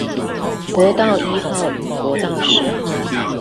國道一號與國道十號